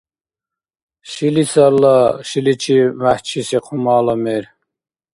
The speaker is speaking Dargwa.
«Шилисала» — шиличи бяхӀчиси хъумала мер.